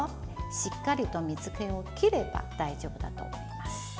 しっかりと水けを切れば大丈夫だと思います。